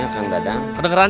harus ada orang itu kelain barang